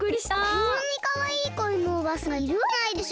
こんなにかわいいこえのおばさんがいるわけないでしょ。